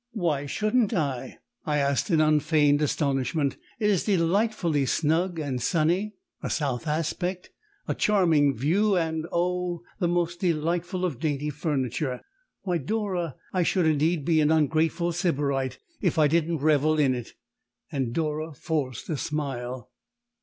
"Why shouldn't I?" I asked in unfeigned astonishment. "It is delightfully snug and sunny a south aspect a charming view and oh! the most delightful of dainty furniture. Why, Dora! I should indeed be an ungrateful Sybarite if I didn't revel in it." And Dora forced a smile.